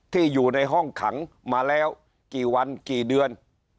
อยู่ในห้องขังมาแล้วกี่วันกี่เดือน